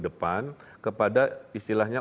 depan kepada istilahnya